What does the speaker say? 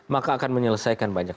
maka akan menyelesaikan banyak